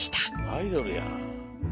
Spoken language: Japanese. アイドルや。